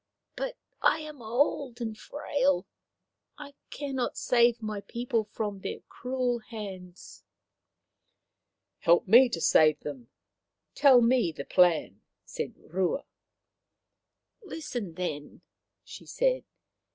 But I am old and frail. I cannot save my people from their cruel hands." " Help me to save them. Tell me the plan," said Rua. " Listen, then," she said.